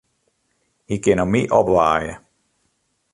Hy kin om my opwaaie.